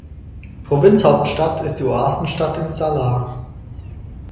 Provinzhauptstadt ist die Oasenstadt In Salah.